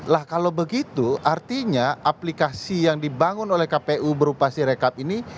lah kalau begitu artinya aplikasi yang dibangun oleh kpu berupa sirekap ini